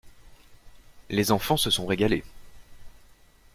Les enfants se sont régalés.